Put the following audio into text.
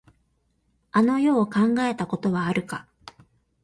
あの世を考えたことはあるか。